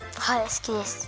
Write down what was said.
すきです。